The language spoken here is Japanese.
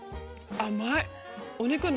甘い。